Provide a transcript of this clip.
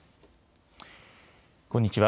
こんにちは。